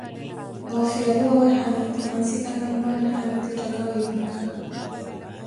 Noofiyaza owaawe haamitu ansikana mamaawe haamitu eettaka wiipika.